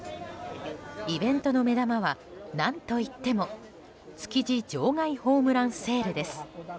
イベントの目玉は、何といっても築地場外ホームランセールです。